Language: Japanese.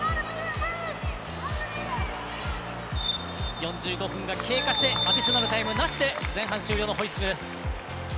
４５分が経過してアディショナルタイムなしで前半終了のホイッスルです。